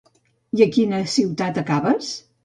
I a quina ciutat acabes?